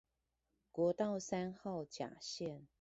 國道三號甲線